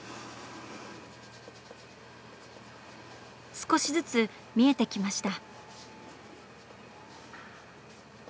少しずつ見えてきました。